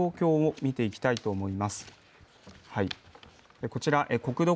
また、川の状況を見ていきたいと思います。